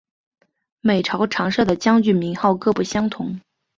每朝常设的将军名号各不相同。